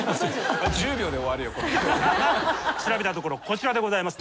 調べたところこちらでございます。